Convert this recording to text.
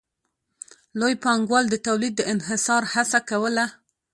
لوی پانګوال د تولید د انحصار هڅه کوله